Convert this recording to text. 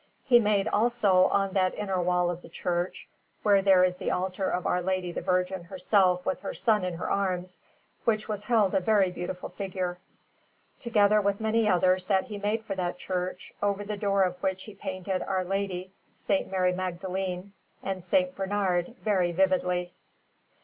He made, also, on that inner wall of the church where there is the altar of Our Lady, the Virgin herself with her Son in her arms, which was held a very beautiful figure; together with many others that he made for that church, over the choir of which he painted Our Lady, S. Mary Magdalene, and S. Bernard, very vividly.